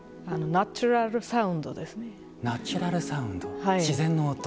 ナチュラルサウンド自然の音。